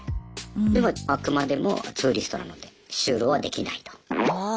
でもあくまでもツーリストなので就労はできないと。